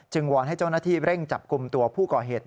วอนให้เจ้าหน้าที่เร่งจับกลุ่มตัวผู้ก่อเหตุ